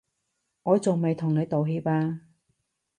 我仲未同你道歉啊